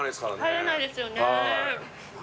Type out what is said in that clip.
入れないですよね。